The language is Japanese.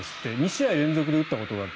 ２試合連続で打ったことがある。